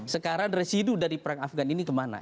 sekarang residu dari perang afgan ini kemana